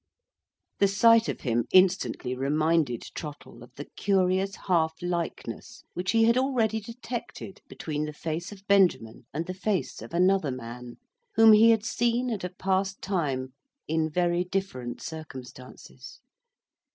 The sight of him instantly reminded Trottle of the curious half likeness which he had already detected between the face of Benjamin and the face of another man, whom he had seen at a past time in very different circumstances.